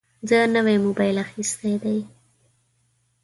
زه نوی موبایل اخیستی دی.